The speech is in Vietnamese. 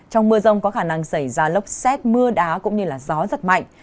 trong mưa rông có khả năng xảy ra lốc xét mưa đá cũng như gió giật mạnh